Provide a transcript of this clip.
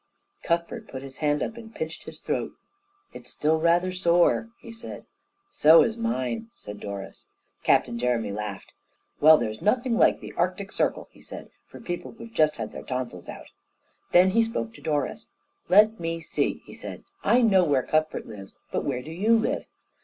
Cuthbert put his hand up and pinched his throat. "It's still rather sore," he said. "So is mine," said Doris. Captain Jeremy laughed. "Well, there's nothing like the Arctic Circle," he said, "for people who've just had their tonsils out." Then he spoke to Doris. "Let me see," he said: "I know where Cuthbert lives, but where do you live?"